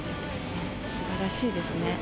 すばらしいですね。